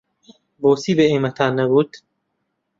بۆچی بە ئێمەتان نەگوت؟